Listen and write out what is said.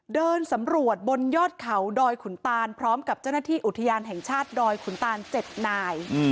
เดินสำรวจบนยอดเขาดอยขุนตานพร้อมกับเจ้าหน้าที่อุทยานแห่งชาติดอยขุนตาน๗นาย